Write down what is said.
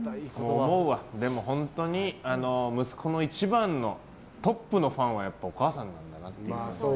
本当に、息子の一番のトップのファンはお母さんなんだなっていう。